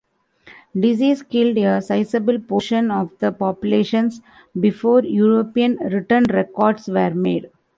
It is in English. Disease killed a sizable portion of the populations before European written records were made.